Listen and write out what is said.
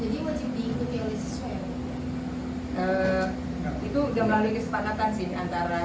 jadi musibik itu pilih siswa ya